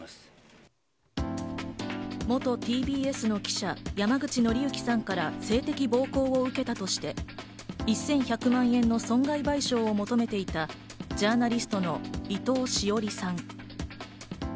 元ＴＢＳの記者・山口敬之さんから性的暴行を受けたとして１１００万円の損害賠償を求めていたジャーナリストの伊藤詩織さん。